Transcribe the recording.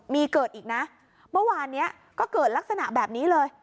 มีเกิดอีกนะเมื่อวานนี้ก็เกิดลักษณะแบบนี้เลย